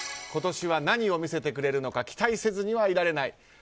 今年は何を見せてくれるのか期待せずにはいられない。